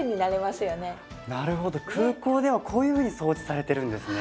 なるほど空港ではこういうふうに掃除されてるんですね。